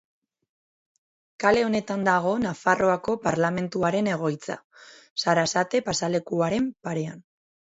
Kale honetan dago Nafarroako Parlamentuaren egoitza, Sarasate pasealekuaren parean.